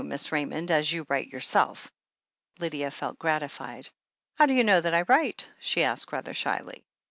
Miss Raymond, as you write yourself." Lydia felt gratified. "How do you know that I write?" she asked rather shyly.